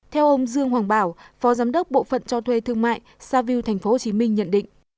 theo ông dương hoàng bảo phó giám đốc bộ phận cho thuê thương mại saview tp hcm nhận định